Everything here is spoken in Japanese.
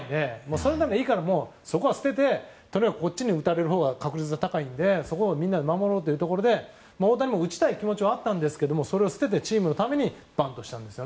そんなのいいから、そこは捨ててとにかくこっちに打たれるほうが確率が高いのでそこをみんなで守ろうというところで大谷も打ちたい気持ちはあったんですけどもそれを捨ててチームのためにバントしたんです。